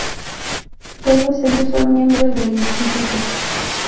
Todos ellos son miembros del Instituto.